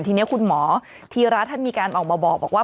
ทีนี้คุณหมอธีระท่านมีการออกมาบอกว่า